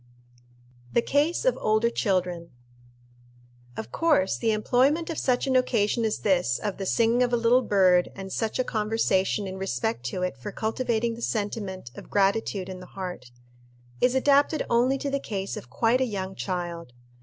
The Case of older Children. Of course the employment of such an occasion as this of the singing of a little bird and such a conversation in respect to it for cultivating the sentiment of gratitude in the heart, is adapted only to the case of quite a young child.